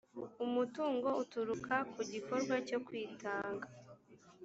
umutungo uturuka ku gikorwa cyo kwitanga